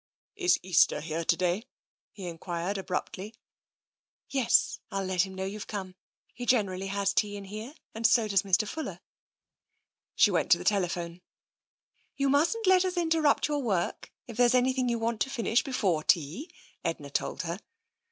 " Is Easter here to day? " he enquired abruptly. " Yes ; I'll let him know you've come. He generally has tea in here, and so does Mr. Fuller." She went to the telephone. " You mustn't let us interrupt your work if there's anything you want to finish before tea," Edna told her.